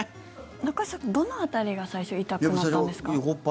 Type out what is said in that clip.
中居さん、どの辺りが最初痛くなったんですか？